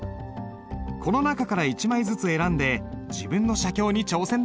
この中から一枚ずつ選んで自分の写経に挑戦だ！